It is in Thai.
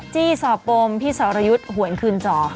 จี้สอบปมพี่สรยุทธ์หวนคืนจอ